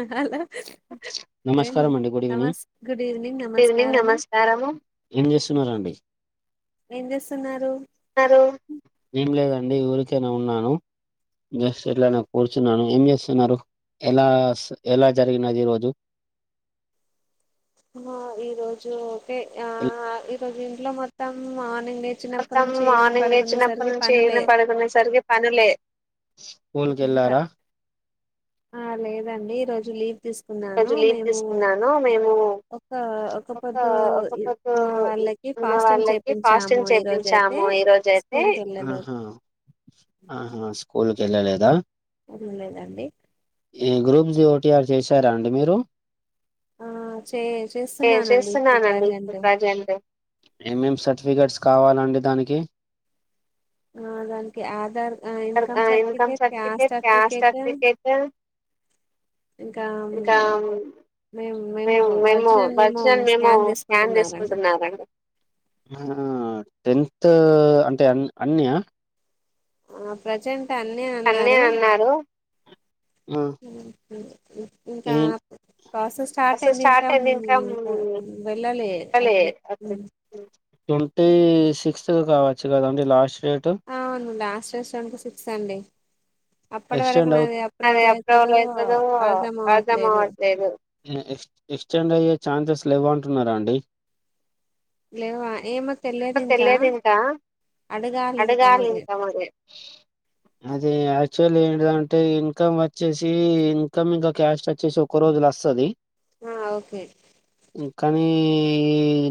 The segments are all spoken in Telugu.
అ హలో. ఏంది నమస్ గుడ్ ఈవినింగ్ నమస్కారము. ఏం జేస్తున్నారు. నీ ఊరికనే ఉన్నాను. జస్ట్ ఎట్లా నే కూర్చున్నాను ఎంజేస్తున్నారు? ఎలాస్ ఎలా. జరిగినది ఈరోజు. హా ఈరోజు ఓకే ఆ ఈరోజు ఇంట్లో మొత్తం మార్నింగ్ నే. మొత్తం మార్నింగ్ లేచినప్పటి నుంచి ఈవినింగ్ పడుకునే సరికి పనులే. స్కూల్ కి ఏళ్ళారా. ఆ లేదండి ఈరోజు లీవ్ తీస్. ఈరోజు లీవ్ తీసుకున్నాను మేము. ఒక ఒక పక్క ఉన్న వాళ్ళకి ఫాస్టన్‌ చేపించాము. ఆహా ఆహా స్కూల్ కెళ్లలేదా. వెళ్లలేదండి. ఈ గ్రూప్ ది ఓటిఆర్ చేసారా అండి మీరు. ఏసేస్తున్నానండి ఇప్పుడు ప్రజంట్. సర్టిఫికేట్స్ కావాలండి దానికి. ఆ దానికి Aadhaar uh income certificate caste certificate. [unintelligible] ఇంకా. ఇంకము. మేము మేము ఒరిజినల్ మేము స్కాన్ చేసుకుంటున్నారా అండి. ఆ టెన్త్ అంటే అన్నీయా. ఆ ప్రజెంట్ అన్నీ అన్నారు. ఇంకా ప్రాసెస్ స్టార్ట్ అయింది ఇంకాం ఇంకా వెళ్ళాలే. ట్వంటీ సిక్స్ త్ కావచ్చు కదండీ లాస్ట్. అవును లాస్ట్ రోజ్ ట్వంటీ సిక్స్ అండి. అది అప్రూవల్ అవుతదో అర్థమవ్వట్లేదు. ఎక్స్టెండ్ అయ్యే ఛాన్సెస్ లేవంటున్నారండి. లేవా ఏమొ తెలియదింక. అడగాలింక ఇంకా మరే. చల్ ఏంటిదంటే ఇన్కమ్ వచ్చేసి ఇన్కమ్ ఇంకా క్యాస్ట్ వచ్చేసి ఒక రోజులు వస్తాది. కానీ.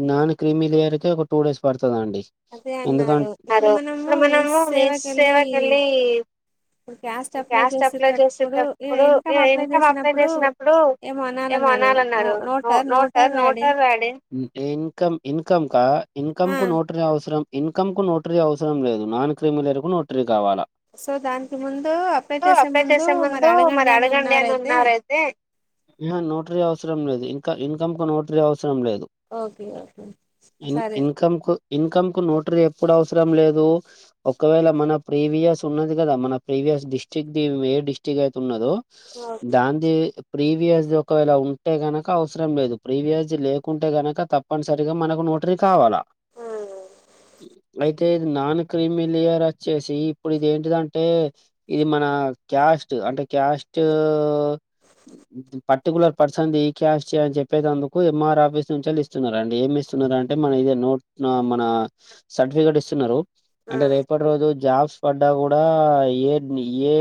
కి నన్ క్రిీమిలియర్ కే ఒక టూ డేస్ పడు ఇప్పుడు మనము మీ సేవ కెళ్ళి. క్యాస్ట్ అప్లై చేసేటప్పుడు ఇన్కం అప్లై చేసినప్పుడు ఏమన. కొనాలన్నారు నోటర్ నోటర్ ఐడి. నోటరీ అవసరం ఇన్కమ్ కు నోటరీ అవసరం లేదు నాన్ క్రిమిలర్ కు నోటరీ కావాలా. అప్లై చేసే ముందు మరి అడగండి అని అన్న రయితే. నోటరీ అవసరం లేదు ఇంకా ఇన్కమ్ కు నోటరీ అవసరం. అవసరం లేదు ఇన్ ఇనక్కమ్ కు ఇన్కమ్ కు నోటరీ. ఎప్పుడు అవసరం లేదు ఒకవేళ మన ప్రీవియస్ ఉన్నది కదా మనక్. ప్రీవియస్ డిస్టిక్‌ ది ఏ డిస్టిక్ అయితే ఉన్నదో దాంది ప్రీవియస్ ఒకవేళ ఉంటే గనక అవసరం లేదు ప్రీవియస్ లేకుంటే గనక తప్పనిసరిగా మనకు నోటరి కావాలా ఆ అయితే నాన్ క్రీమి లేయర్ వచ్చేసి ఇప్పుడు ఇది ఏంటిదంటే ఇది మన క్యాస్ట్ అంటే క్యాస్ట్ పర్టికులర్ పర్సన్ది క్యాష్ అని చెప్పేందుకు ఎంఆర్ ఆఫీస్ నుంచేళ్ళి ఇస్తున్నారు అండి ఏం ఇస్తున్నారు అంటే మన ఇదే నోట్ మన సర్టిఫికెట్ ఇస్తున్నారు అంటే రేపటి రోజు జాబ్స్ పడ్డా కూడా ఏ ఏ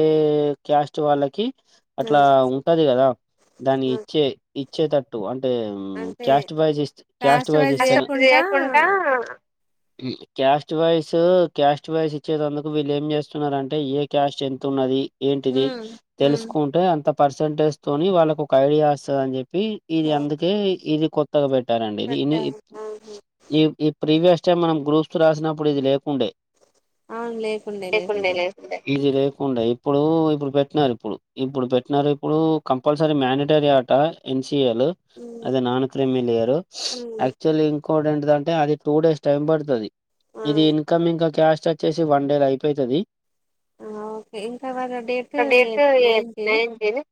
క్యాస్ట్ వాళ్ళకి అట్లా ఉంటది కదా దాన్ని ఇచ్చే ఇచ్చేటట్టు అంటే అంటే క్యాస్ట్ వైజ్ ఇ caste wise caste wise caste wise ఇచ్చేటందుకు వీళ్ళు ఏం చేస్తున్నరంటే ఏ క్యాష్ట్ ఎంత ఉన్నది ఏంటిది తెలుసుకుంటే అంత పర్సెంటేజ్ తోని వాళ్ళకి ఒక ఐడియా వస్తుంది అని చెప్పి ఇది అందుకే ఇది కొత్తగా పె టరండి ఇది ఈ ప్రీవియస్ టైమ్ మనం గ్రూప్స్ రాసినప్పుడు ఇది లే కుండే ఇది లేకుండా ఇప్పుడు ఇప్పుడు పెట్టినారు ఇప్పుడు ఇప్పుడు పెట్టినారు ఇప్పుడు కంపల్సరీ మ్యాండేటరీ ఆట టా ఎం సి ఏ అది నాన్ క్రిమి లేయర్ ఆక్చుఆల్ అంటే అది టూ డేస్ టై పడుతుంది ఇది ఇన్కమ్ ఇంక కాస్ట్ వచ్చేసి వన్ డే ల అయిపోతుది [unintelligible]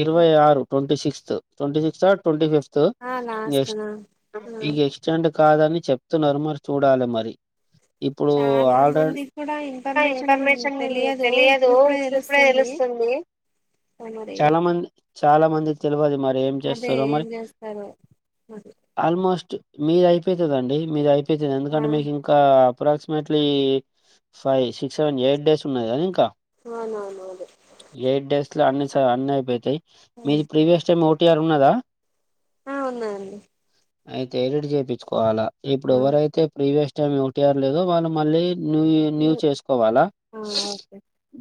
ఇరవై ఆరు twenty sixth twenty sixth or twenty fifth ఇగ ఎక్స్ట్రా కాదని చెప్తున్నారు మరి చూడాలి మరి ఇప్పుడు ఆల్రె తెలియదు చూసిన తెలుస్తుంది చాలా మంది చాలా మందికి తెలియదు మరి ఏం చేస్తారో మరి ఆల్మోస్ట్ మీది అయిపోతుందండి మీరు అయిపోతుంది ఎందుకంటే మీకు ఇంకా approximately five six seven eight days ఉన్నాది కద ఇంకా అవునను అదే అట్లా అన్ని అయిపోతాయి మీది ప్రీవియస్ టైమ్ ఓటీఆర్ ఉన్నదా ఆ ఉన్నదండి అయితే ఎడిట్ చేయించుకోవాలా ఇప్పుడు ఎవరైతే ప్రీవియస్ టైమ్ ఓటిఆర్ లేదో వాళ్ళు మళ్ళీ న్యూ న్యూ చేసుకోవాలా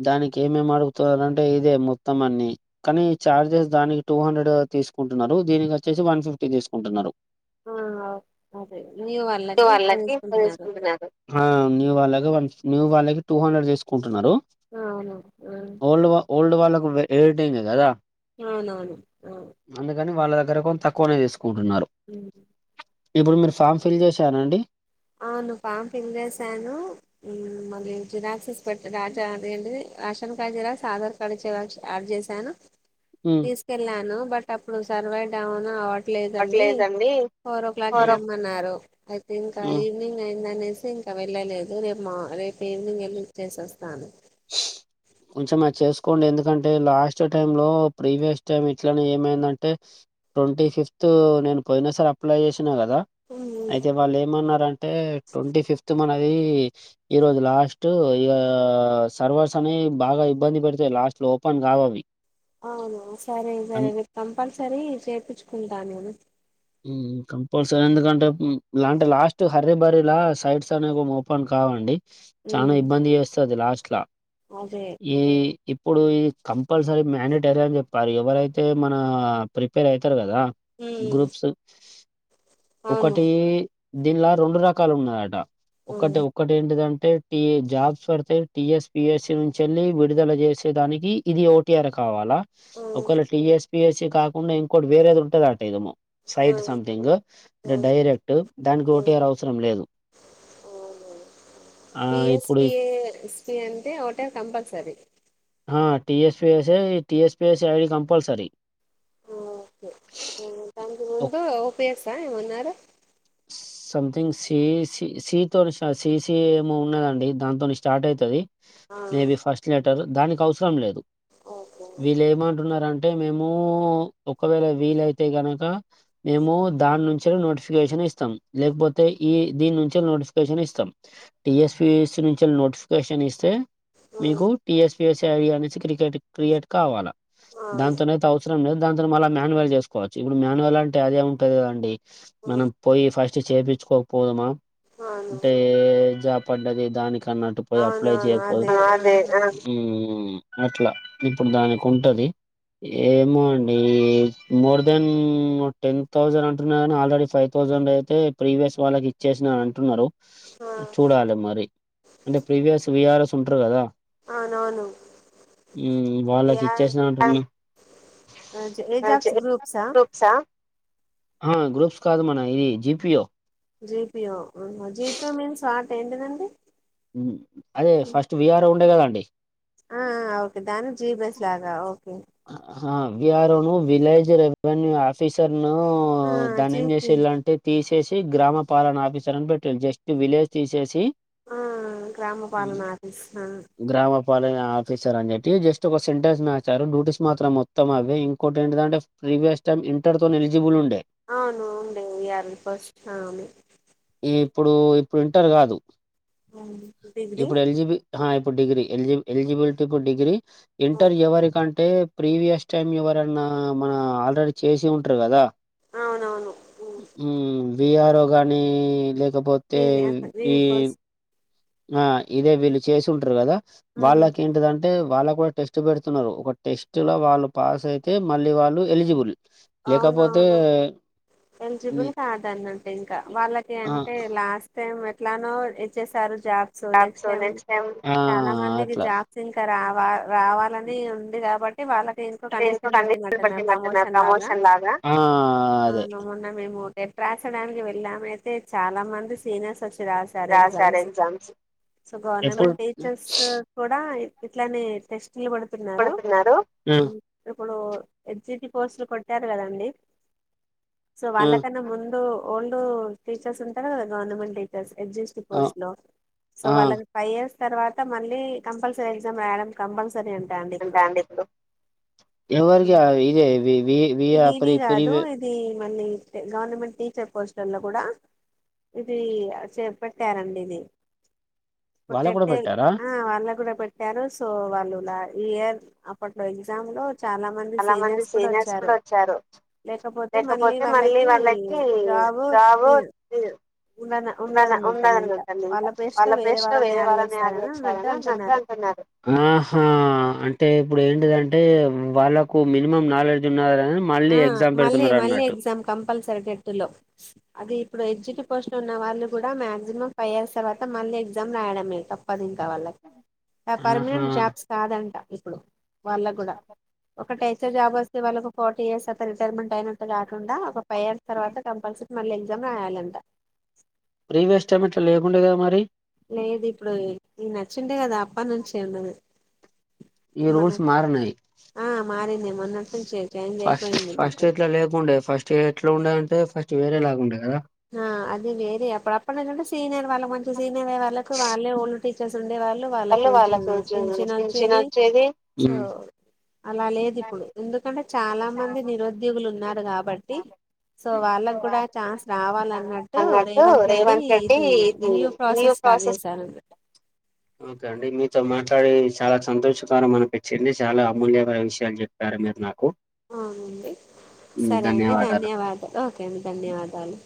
దానికి ఏమేమి అడుగుతుందనీ అంటే ఇదే మొత్తం అన్ని కానీ చార్జెస్ దానికి టూ హండ్రెడ్ తీసుకుంట న్నారు దీనికి వచ్చేసి వన్ ఫిఫ్టీ తీసుకుంటున్నారు ఆ అదే మీ వాళ్ళకి తీసుకుంటలేరు ఆ మీ వాళ్ళకి మీ వాళ్ళకి టూ హండ్రెడ్ అన్నారు తిసుకుంటున్నారు అవును ఓల్డ్ వాళ్ళకు ఎడిటింగ్ ఏ కదా అవునవును వాళ్ళ దగ్గర కొంత తక్కువనే తీసుకుంటున్నారు ఇప్పుడు మీరు ఫామ్ ఫిల్ చేసరండి అవును పామ్ ఫిల్ చేసాను మళ్ళీ జిరాక్సేస్ పెట్టి రాజా అడి ration card xerox Aadhaar card xerox add చేసాను తీసుకెళ్ళాను బట్ అప్పుడు సర్వైరూ డౌన్ అవడం లేదండి ఫోర్ ఓ క్లాక్ కి రమ్మన్నారు అయితే ఇంకా ఈవినింగ్ అయిందనే ఇంకా వెళ్ళలేదు రేపు మా రేపు ఈవినింగ్ వెళ్ళి ఇచ్చేసి వస్తాను ఆ కొంచెం అది చేసుకోండి ఎందుకంటే లాస్ట్ టైమ్ లో ప్రీవియస్ టైం ఇట్లనే ఏమైందంటే ట్వంటీ ఫిఫ్త్ నేను పోయినా సారీ అప్లై చే అయితే వాళ్ళు ఏమన్నారు అంటే ట్వంటీ ఫిఫ్త్ మన ఈరోజు లాస్ట్ ఇక సర్వర్స్ అనేవి బాగా ఇబ్బంది పెడతాయి లాస్ట్ లో ఓపెన్ కావవి అవునా సరే సరే రేపు కంపల్సరీ చేయించుకుంటా నేను కంపల్సరీ ఎందుకంటే లాంటే లాస్ట్ హర్ర బరి లా సైట్స్ అనే ఓపెన్ కావండి చనా ఇబ్బంది చేస్తుది లాస్ట్ లా ఈ ఇప్పుడు ఇది కంపల్సరీ మ్యాండేటరీ అని చెప్పారు ఎవరైతే మన ప్రిపేర్ అవుతారు కదా హ ఒకటి దీనిలా రెండు రకాలు ఉన్నాయట ఒకటి ఒకటి ఏంటిదంటే అ జాబ్స్ పడితే టిఎస్ పిఎస్సి నుంచి వెళ్ళలి విడుదల చేసే దానికి ఇది ఓటిఆర్ కావాలా ఒకవేళ టీఎస్ పిఎస్ కాకుండా ఇంకోటి వేరేది ఉంటద అట ఏదో సైట్ సంమ్థింగ్ డైరెక్ట్ దానికి ఓటీఆర్ అవసరం లేదు పిఎస్పిస్పి అంటే హోటల్ కంపల్సరీ టిఎస్పిఎస్ ఈ టిఎస్పిఎ ఐడి కంపల్సరీ ఓకే దానికి ముందు ఓ పి ఎస్ ఆ ఏం అన్నారు సంథింగ్ సిసి సితో సిసి ఏమో ఉన్నదండి దాంతో స్టార్ట్ అవుతది మేబి ఫస్ట్ లెటర్ దానికి అవసరం లేదు వీళ్ళు ఏమంటున్నంటే అంటే మేము ఒకవేళ వీల అయితే కనక మేము దాని నుంచి నోటిఫికేషన్ ఇస్త ఇస్తా లేకపోతే ఈ దీని నుంచ నోటిఫికేషన్ ఇస్తాం టిఎస్పి ను నోటిఫికేషన్ నిస్తే మీకు పఎస్ పఎస్ ఐడి అనే క్రికెట్ క్రికేట్ కావాలా దాంతోనేైతేస దా మ మాన్యువల్ చేసుకోవచ్చు ఇప్పుడు మాన్నుయుల్ అంటే అదే ఉంటుంది కదండి మనం ఫట్ చేయిుఇంచు కో పోదామా అంటే దా కర్ణాటక పోయి అప్లై చేపోదు అట్లా ఇప్పుడు దానికి ఉంటది ఏమో అండి మోర్ దెన్ టెన్ థౌసండ్ అంటున్నారు కాని ఆల్రెడీ ఫైవ్ థౌజండ్ అయితే ప్రీవియస్ వాళ్ళకి ఇచ్చేసిన అని అంటున్నారు చూడాలి మరి అంటే ప్రీవియస్ విఆర్ఎస్ ఉంటారు కదా వాళ్ళకి ఇచ్చేసినట్ అ ఎ రూ ఆ గ్రూప్స్ కాదు మన ఇది జిపిఓ జీపిఓ జీపియో మీన్స్ ఆట ఏంటిదండి అదే ఫస్ట్ విఆర్ ఉండే కదాండి ఆ ఓకే దాని జీబిస్ లాగా ఓకే విఆర్ఓ ను విలేజ్ రెవెన్యూ ఆఫిసర్ దాన్ని ఏం చేసేలాంటే తీసేసి గ్రామ పాలన ఆఫీసర్ అని పెట్టారు జస్ట్ విలేజ్ తీసేసి ఆ గ్రామ పాలన ఆఫీస్ ఆఫీసర్ అని ఎట్టి జస్ట్ ఒక సెంటర్స్ మార్చారు డూ మాత్రం మొత్తం అవి ఇంకోకటి ఏంటింటే ప్రీవియస్ టైమ్ ఇంటర్ తో ఎలిజిబుల్ ఉండే ఈ ఇప్పుడు ఇప్పుడు ఇంటర్ కాదు ఆగీ ఇప్పుడు డిగ్రీ ఎలిజి ఎలిజిబిలిటీ ఇప్పుడు డిగ్రీ ఇంటర్ ఎవరికంటే ప్రీవియస్ టైమ్ ఎవరి ఎవరన్న మన ఆల్రెడీ చేసి ఉంటారు కదా విఆర్ఓ గాని కాకపోతే ఈ ఆ ఇదే వీళ్ళు చేసి ఉంటారు కదా వాళ్ల్కి ఏంటి ఇది అంటే అంటే వాళ్ళ కూడా టెస్ట్ పెడుతున్నారు ఒక టెస్ట్ లో వాళ్ళు పాస్ అయితే మళ్ళీ వాళ్ళు ఎలిజిబుల్ లేకపోతే ఎలిజిబుల్ కాదన్నంటే ఇంకా వాళ్ళకి అంటే లాస్ట్ టైం ఎట్లానో వచ్చారు జాబ్స్ నెక్స్ట్ టై చాలా మందికి జాబ్స్ ఇంకా రావ రావాలని ఉంది కాబట్టి వాళ్ళకి ఇంకో కండిషన్ పెట్టినట్టు ప్రమోషన్ లాగా ఆ అదే దచడానికి వెళ్ళామయితే చాలా మంది సీనియర్స్ వచ్చ రాసారు ఎగ్జామ్స్ సో గవర్నమెంట్ టీచర్స్ కూడా ఇట్లానే టెస్ట్లు పడుతున్నారు ఇప్పుడు ఎచ్జిటి పోస్ట్లు కొట్టారు కదండి సో వాళ్ళకన్నా ముందు ఓల్డ్ టీచర్స్ అంటారు కదా గవర్నమెంట్ టీచర్స్ ఎడ్జెస్ట్ పోస్ట్ లో సో వాళ్ళకి ఫైవ్ ఇయర్స్ తర్వాత మళ్ళీ కంపల్సరీ ఎగ్జామ్ వెేయడం కంపల్సర ఎవరిగా ఇదే విప ప్ర ప్రి [inaudible] మమల్ని గవర్నమెంట్ టీచర్ పోస్ట్లల్లో కూడా ఇది చేపట్టారండి ఇది ఇప్పుడు తెడతే ఆ వాళ్ళ కూడా [inaudible] పెట్టారు సో వాళ్ళులా ఈ ఇయర్ అప్పట్లో ఎగ్జామ్ లో చాలా మంది సీనియర్స్ కూడా వచ్చారు లేకపోతే మళ్ళీ వాళ్ళకి జాబు తీ ఉన్నదన్నటండి ఇంకా వాళ్ళ పేస్లో వేరే వాళ్ళని యాడ్ చేస్తారని అంటున్నారు ఆహా అంటే ఇప్పుడు ఏంటిదంటే వాళ్ళకు మినిమం నాలెడ్జ్ ఉన్న ఆ మళ్ళీ మళ్ళీ ఎగ్జామ్ కంపల్సరీ డెట్టు లో అది ఇప్పుడు ఎగ్జికటి పోస్ట్ ఉన్న వాళ్ళు కూడా మాక్సిమం ఫైవ్ ఇయర్స్ తర్వాత మళ్ళ ఎగ్జామ్ రాయడమే తప్పదం వాళ్ళ పర్మనెంట్ జాబ్స్ కాదంట ఇప్పుడు వాళ్ళకి కూడా ఒక టటీచర్ జాబ్ వస్తే వాళ్ళ ఒక ఫార్టీ ఇయర్స్ అ రిటైర్మెంట్ అయిన కాకుండా ఒక ఫైవ్ ఇయర్స్ తర్వాత కంపల్సరీ మళ్ళీ ఎగ్జామ్ రాయాలంట ప్రివ్యూస్ టైమ్ లో ఎట్ల లేకుండా లేదు ఇప్పుడు ఈ నచ్చింటే కదా అప్ప నుంచి ఉన్నది ఈ రూల్స్ మారినయి ఆ ఫస్ట్ ఫస్ట్ ఎట్లా లేకుండే ఫస్ట్ ఎ ఎట్లా ఉండేది అంటే ఫస్ట్ వేరలా ఉంటే కదా ఆ అది వేరే అప్పుడప్పుడు ఏంటంటే సీనియర్ వాళ్ళకి మంచి సీనియర్ అయ్య వాళ్ళకు వాళ్ళే ఓన్డ్ టీచర్స్ ఉంట ఉండే వాళ్ళు వాళ్ళ రోజు పించిని వచ్చేది సో అలా లేదు ఇప్పుడు ఎందుకంటే చాలా మంది నిరుద్యోగులు ఉన్నారు కాబట్టి సో వాళ్ళకు కూడా చాన్స్ అన్నట్టు రేవంత్ రెడ్డి ఇన్యూ ప్రాసెస్ ఓకే అండి మీతో మాట్లాడి చాలా సంతోషకర అనిపించింది చాలా అమూల్యకర విషయాలు చెప్పారు మీరు నాకు అవునండి సరే అండి ధన్యవాదాలు ఓకే అండి ధన్యవాదాలు